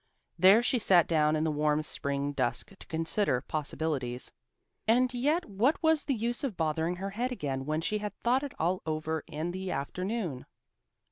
There she sat down in the warm spring dusk to consider possibilities. And yet what was the use of bothering her head again when she had thought it all over in the afternoon?